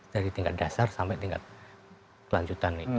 dari tingkat dasar sampai tingkat kelanjutan